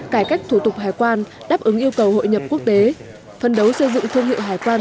cải cách thủ tục hải quan đáp ứng yêu cầu hội nhập quốc tế phân đấu xây dựng thương hiệu hải quan